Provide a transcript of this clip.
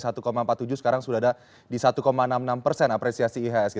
sekarang sudah ada di satu enam puluh enam persen apresiasi ihsg